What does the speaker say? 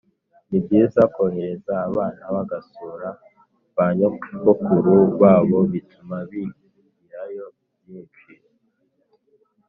Nibyiza kohereza abana bagasura banyogokuru babo bituma bigirayo byinshi